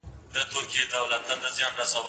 څېړنه ولي د دقیق فکر غوښتنه کوي؟